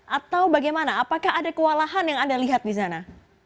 atau bagaimana apakah ada kewalahan yang anda lihat di sana